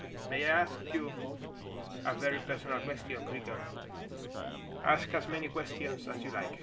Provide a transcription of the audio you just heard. "May I ask you a very personal question, Creaker?" "Ask as many questions as you like.